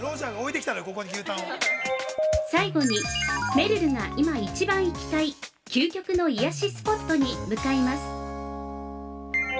◆最後に、めるるが今一番行きたい究極の癒やしスポットに向かいます。